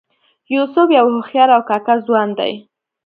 یوسف یو هوښیار او کاکه ځوان دی.